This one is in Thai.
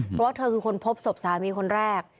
เพราะว่าเธอคือคนพบศพสามีคนแรก